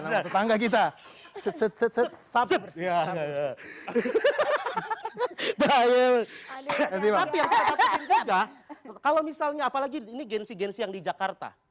tapi yang tidak terpikir juga kalau misalnya ini gen z yang di jakarta